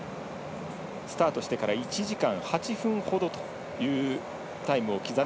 スタートしてから１時間８分ほどというタイム。